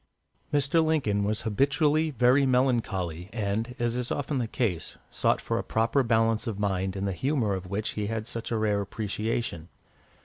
Mr. Lincoln was habitually very melancholy, and, as is often the case, sought for a proper balance of mind in the humour of which he had such a rare appreciation.